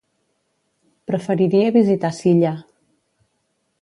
Preferiria visitar Silla.